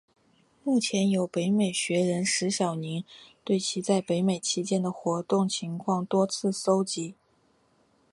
目前有北美学人石晓宁对其在北美期间的活动情况多有搜辑。